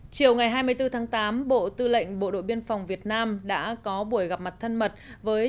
chiều ngày hai mươi bốn tháng tám bộ tư lệnh bộ đội biên phòng việt nam đã có buổi gặp mặt thân mật với